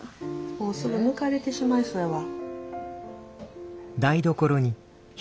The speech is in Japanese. もうすぐ抜かれてしまいそうやわ。